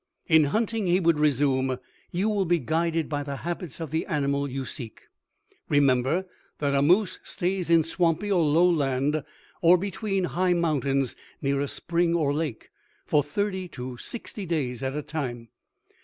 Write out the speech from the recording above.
"In hunting," he would resume, "you will be guided by the habits of the animal you seek. Remember that a moose stays in swampy or low land or between high mountains near a spring or lake, for thirty to sixty days at a time.